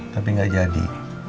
tapi gak jadi